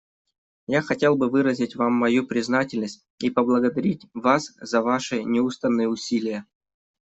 Я хотел бы выразить Вам мою признательность и поблагодарить Вас за Ваши неустанные усилия.